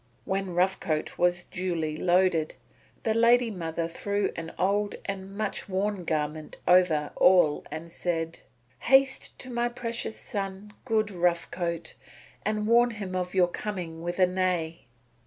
When Rough Coat was duly loaded, the lady mother threw an old and much worn garment over all and said: "Haste to my precious son, good Rough Coat, and warn him of your coming with a neigh."